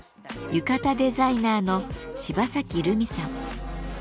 浴衣デザイナーの芝崎るみさん。